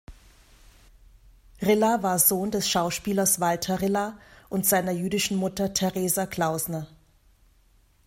Rilla war Sohn des Schauspielers Walter Rilla und seiner jüdischen Mutter Theresa Klausner.